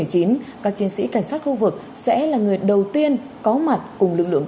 các chiến sĩ cảnh sát khu vực sẽ là người đầu tiên có mặt cùng lực lượng